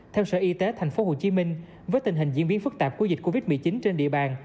theo sở y tế tp hcm với tình hình diễn biến phức tạp của dịch covid một mươi chín trên địa bàn